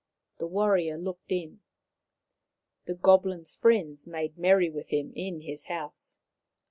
The warrior looked in. The goblin's friends made merry with him in his house.